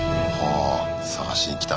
あ探しに来た。